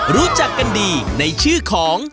รู้จักกันดีในชื่อของ